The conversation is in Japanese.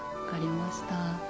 分かりました。